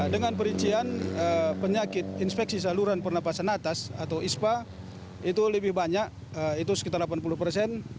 dengan perincian penyakit inspeksi saluran pernapasan atas atau ispa itu lebih banyak itu sekitar delapan puluh persen